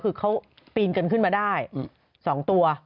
คือเขาปีนกันขึ้นมาได้๒ตัว